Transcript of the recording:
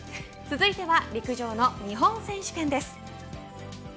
続いては陸上の日本選手権です。